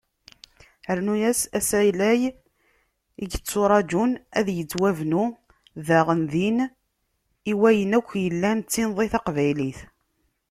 Rnu-as asalay i yetturaǧun ad yettwabnu daɣen din i wayen akk yellan d tinḍi taqbaylit.